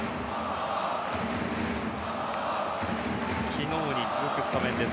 昨日に続くスタメンです。